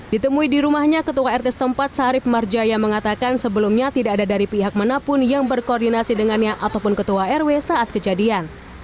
ditemui di rumahnya ketua rt setempat sarip marjaya mengatakan sebelumnya tidak ada dari pihak manapun yang berkoordinasi dengannya ataupun ketua rw saat kejadian